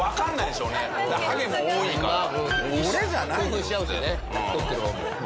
興奮しちゃうんだよね撮ってる方も。